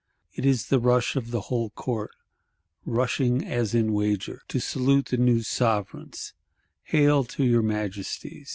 It is the rush of the whole Court, rushing as in wager, to salute the new Sovereigns: Hail to your Majesties!